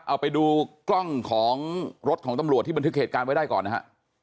เอาไปดูกล้องของรถของตำรวจที่บันทึกเหตุการณ์ไว้ได้ก่อนนะฮะ